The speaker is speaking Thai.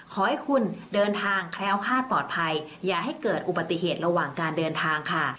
ขอให้คุณเดินทางแคล้วคาดปลอดภัยอย่าให้เกิดอุบัติเหตุระหว่างการเดินทางค่ะ